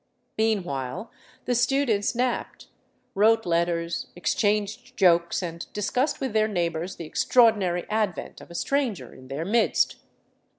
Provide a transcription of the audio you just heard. Meanwhile the students napped, wrote letters, exchanged jokes, and discussed with their neighbors the extraordinary advent of a stranger in their midst.